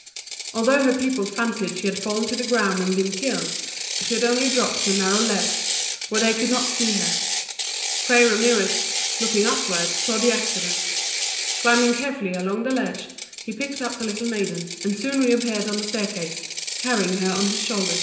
Although her people fancied she had fallen to the ground and been killed, she had only dropped to a narrow ledge, where they could not see her. Fray Ramirez, looking upward, saw the accident. Climbing carefully along the ledge, he picked up the little maiden, and soon reappeared on the staircase, carrying her on his shoulder.